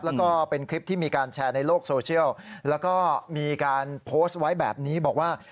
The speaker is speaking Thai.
แล้วก็เป็นคลิปที่มีการแชร์ในโลกโซเชียลแล้วก็มีการโพสต์ไว้แบบนี้บอกว่า